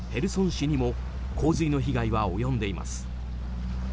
市にも洪水の被害は及んでいます。